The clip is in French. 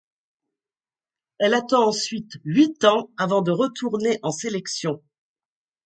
Elle attend ensuite huit ans avant de retourner en sélection.